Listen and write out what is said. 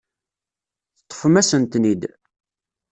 Teṭṭfem-asen-ten-id.